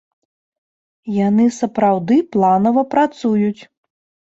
Яны сапраўды планава працуюць.